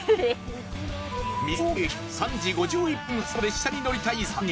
三つ峠駅３時５１分発の列車に乗りたい３人。